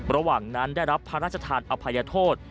ระหว่างนั้นได้รับพระราชทานอภัยโทษ